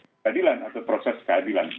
proses keadilan atau proses keadilan